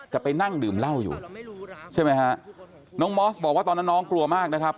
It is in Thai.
ไปนั่งดื่มเหล้าอยู่ใช่ไหมฮะน้องมอสบอกว่าตอนนั้นน้องกลัวมากนะครับ